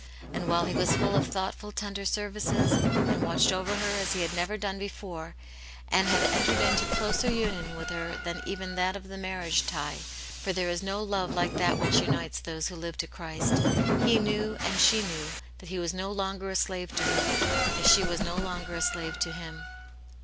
And while he was full of thoughtful, tender services, and watched over her as he had never done before, and had en tered into closer union with her tfe^ii tNt.t^'Ccc^^:^*^^^*^. 1 62 Aunt Janets Hero, marriage tie, for there is no love like that which unites those who Hve to Christ, he knew, and she knew, that he was no longer a slave to her, as she was no longer a slave to him.